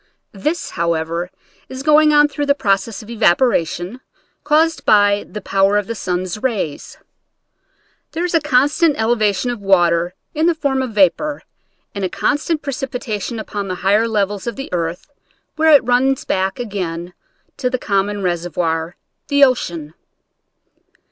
This, however, is going on through the proc ess of evaporation caused by the power of the sun's rays. There is a constant elevation of water in the form of vapor and a constant precipitation upon the higher levels of the earth where it runs back again to the common reservoir, the ocean.